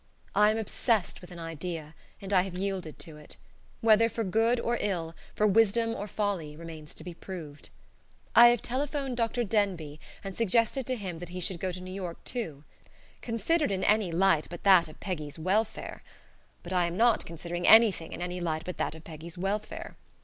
I am obsessed with an idea, and I have yielded to it; whether for good or ill, for wisdom or folly, remains to be proved. I have telephoned Dr. Denbigh and suggested to him that he should go to New York, too. Considered in any light but that of Peggy's welfare But I am not considering anything in any light but that of Peggy's welfare.